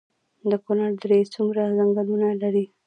د کونړ درې څومره ځنګلونه لري؟